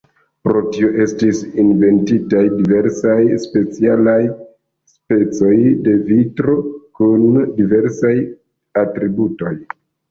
Pro tio estis inventitaj diversaj specialaj specoj de vitro kun diversaj atributoj.